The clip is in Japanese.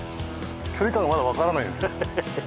距離感がまだわからないです。